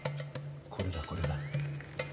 これだこれだ。